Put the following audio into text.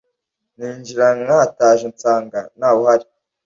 Ninjira nkataje nsanga ntawuhari